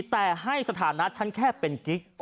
แต่ให้สถานะฉันแค่เป็นกิ๊ก